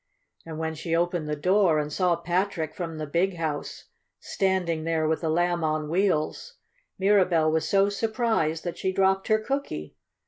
And when she opened the door, and saw Patrick from the "Big House" standing there with the Lamb on Wheels, Mirabell was so surprised that she dropped her cookie.